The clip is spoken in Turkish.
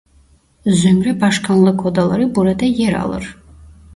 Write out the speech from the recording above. Zümre başkanlık odaları burada yer alır.